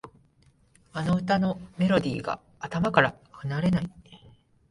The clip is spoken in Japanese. あの歌のメロディーが頭から離れない